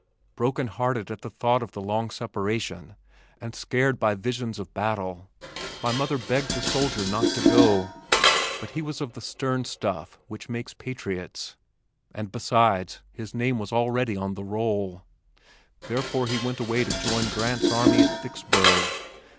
Broken hearted at the thought of the long separation, and scared by visions of battle my mother begged the soldier not to go; but he was of the stern stuff which makes patriots and besides his name was already on the roll, therefore he went away to join Grant's army at Vicksburg.